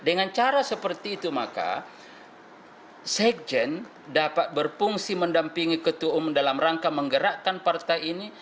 dan dengan cara seperti itu maka sekjen dapat berfungsi mendampingi ketua umum dalam rangka menggerakkan partai ini